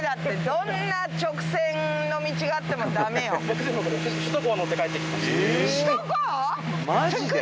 どんな直線の道があっても駄目よ。